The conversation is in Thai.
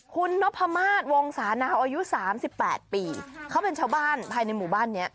คุณนพมาตวงศาหนาอายุสามสิบแปดปีเขาเป็นชาวบ้านภายในหมู่บ้านเนี้ย